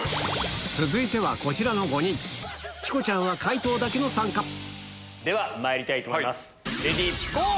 続いてはこちらの５人チコちゃんは解答だけの参加ではまいりたいと思いますレディーゴー！